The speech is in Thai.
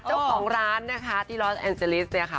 เจ้าของร้านนะคะที่รอสแอนเจลิสเนี่ยค่ะ